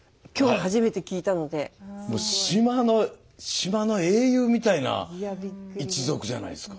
島の英雄みたいな一族じゃないですか。